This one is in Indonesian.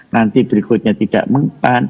nanti berikutnya tidak mengumpulkan